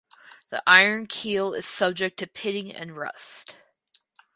The iron keel is subject to pitting and rust.